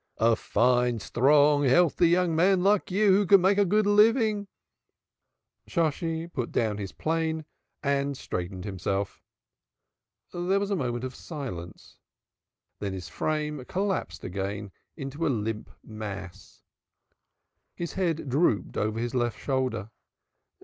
A fine, strong, healthy young man like you, who can make a good living!" Shosshi put down his plane and straightened himself. There was a moment of silence. Then his frame collapsed again into a limp mass. His head drooped over his left shoulder.